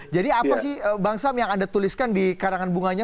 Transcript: jadi apa sih bang sam yang anda tuliskan di karangan bunganya